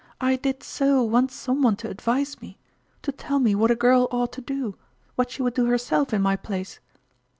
I did so want some one to advise me to tell me what a girl ought to do, what she would do herself in my place."